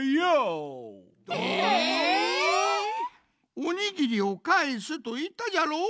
「おにぎりをかえす」といったじゃろう？